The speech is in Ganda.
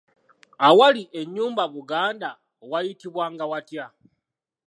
Awali ennyumba Buganda waayitibwanga watya?